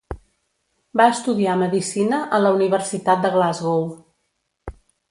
Va estudiar medicina a la Universitat de Glasgow.